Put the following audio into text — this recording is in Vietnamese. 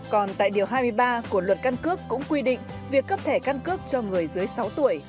còn tại điều hai mươi ba của luật căn cước cũng quy định việc cấp thẻ căn cước cho người dưới sáu tuổi